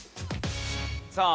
さあ